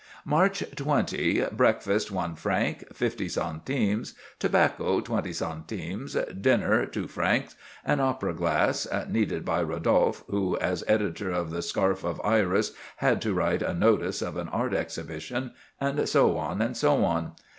"March 20.—Breakfast, one franc, fifty centimes; tobacco, twenty centimes; dinner, two francs; an opera glass"—needed by Rodolphe, who, as editor of the "Scarf of Iris," had to write a notice of an art exhibition; and so on, and so on.